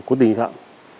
phòng cháy chạy cháy